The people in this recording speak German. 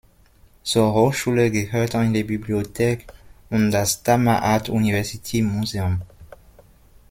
Zur Hochschule gehört eine Bibliothek und das "Tama Art University Museum".